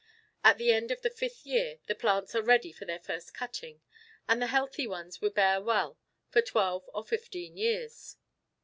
At the end of the fifth year the plants are ready for their first cutting, and the healthy ones will bear well for twelve or fifteen years.